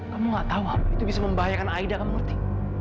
kamu gak tahu apa itu bisa membahayakan aida kamu ngerti